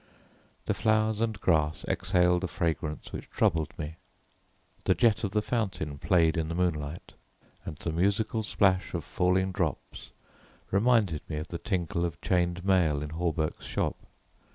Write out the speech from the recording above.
The flowers and grass exhaled a fragrance which troubled me. The jet of the fountain played in the moonlight, and the musical splash of falling drops reminded me of the tinkle of chained mail in Hawberk's shop.